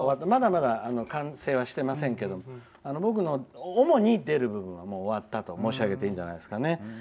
まだ完成はしていませんが僕の主に出る部分は終わったと申し上げていいんじゃないですかね。